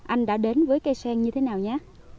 anh đã đến với cây sen như thế nào nhé